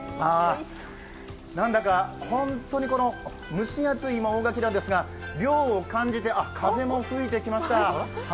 なんだか本当に蒸し暑い大垣なんですが涼を感じて風も吹いてきました。